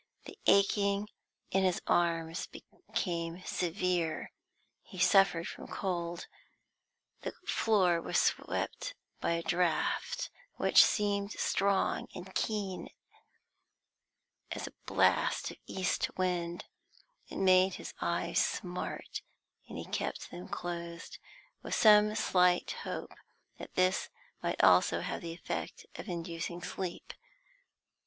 The aching in his arms became severe; he suffered from cold. The floor was swept by a draught which seemed strong and keen as a blast of east wind; it made his eyes smart, and he kept them closed, with some slight hope that this might also have the effect of inducing sleep.